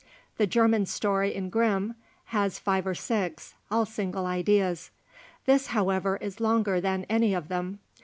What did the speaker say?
The German story in Grimm has five or six, all single ideas." This, however, is longer than any of them.